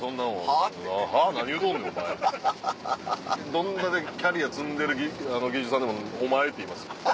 どんだけキャリア積んでる技術さんでも「お前」って言いますよ